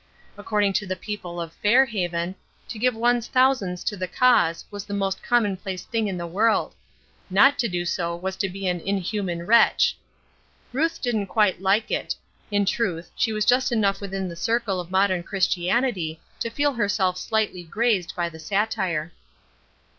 According to the people of Fair Haven, to give one's thousands to the cause was the most commonplace thing in the world not to do so was to be an inhuman wretch. Ruth didn't quite like it in truth she was just enough within the circle of modern Christianity to feel herself slightly grazed by the satire.